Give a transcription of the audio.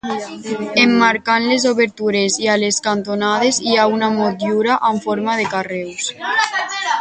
Emmarcant les obertures i a les cantonades hi ha una motllura amb forma de carreus.